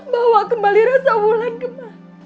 bawa kembali rasamulan kembali